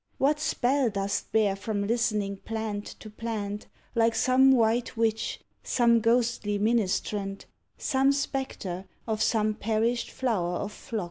What spell dost bear from listening plant to plant, Like some white witch, some ghostly ministrant, Some spectre of some perished flower of phlox?